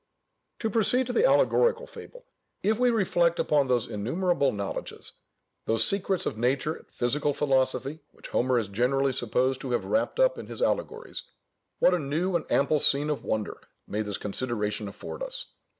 To proceed to the allegorical fable—If we reflect upon those innumerable knowledges, those secrets of nature and physical philosophy which Homer is generally supposed to have wrapped up in his allegories, what a new and ample scene of wonder may this consideration afford us!